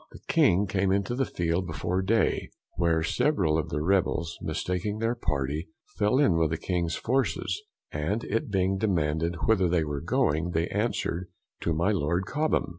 The King came into the field before Day, where several of the Rebels, mistaking their party, fell in with the King's forces; and it being demanded whither they were going, they answered, to my Lord Cobham.